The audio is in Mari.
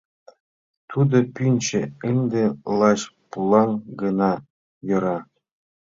— Тудо пӱнчӧ ынде лач пулан гына йӧра...